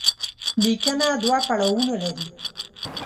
ليکنه دوه پړاوونه لري.